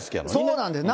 そうなんです。